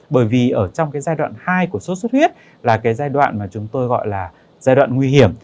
bởi vì ở trong giai đoạn hai của xuất xuất huyết là giai đoạn mà chúng tôi gọi là giai đoạn nguy hiểm